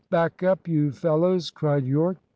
"Back up, you fellows!" cried Yorke.